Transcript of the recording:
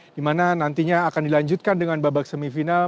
dimana nantinya akan dilanjutkan dengan babak semifinal